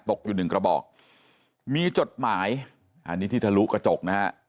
ตกอยู่หนึ่งกระบอกมีจดหมายอันนี้ที่ทะลุกระจกนะฮะ